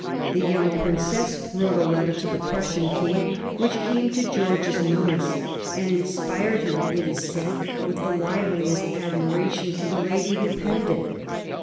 The young Princess wrote a letter to the Prussian King, which came to George's notice and inspired him, it is said, with the liveliest admiration for the lady who penned it.